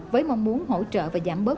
với mong muốn hỗ trợ và giảm bớt